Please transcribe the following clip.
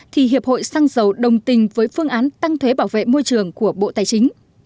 thì hiệp hội xăng dầu đồng tình với phương án tăng thuế bảo vệ môi trường của bộ tài chính